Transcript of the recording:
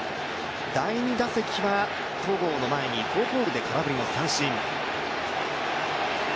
第２打席は戸郷の前にフォークボールで空振り三振。